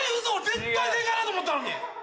絶対正解だと思ったのに！